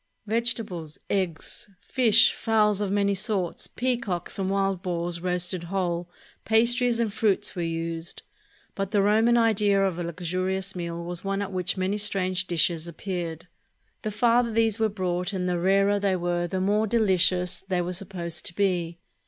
Vegetables, eggs, fish, fowls of many sorts, peacocks, and wild boars roasted whole, pastries and fruits were used ; but the Roman idea of a luxurious meal was one at which many strange dishes appeared. The farther these were brought and the rarer they were, the more delicious they were supposed to be.